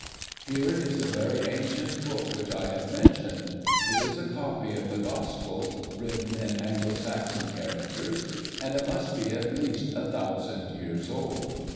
Here is the very ancient book which I have mentioned. It is a copy of the Gospels, written in Anglo Saxon characters, and it must be at least a thousand years old.